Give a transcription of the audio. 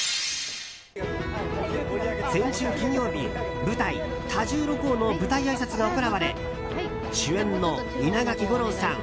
先週金曜日舞台「多重露光」の舞台あいさつが行われ主演の稲垣吾郎さん